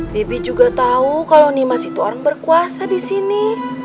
bibit juga tahu kalau nih masih tuan berkuasa di sini